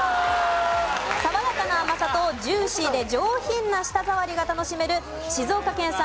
爽やかな甘さとジューシーで上品な舌触りが楽しめる静岡県産